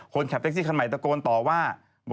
คนขับแท็กซี่คันใหม่ตะโกนต่อว่า